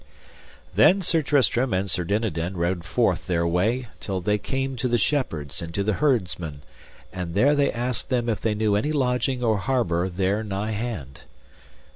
Then Sir Tristram and Sir Dinadan rode forth their way till they came to the shepherds and to the herdmen, and there they asked them if they knew any lodging or harbour there nigh hand.